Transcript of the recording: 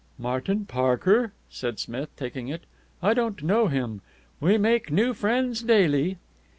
"Martin Parker?" said Smith, taking it. "I don't know him. We make new friends daily."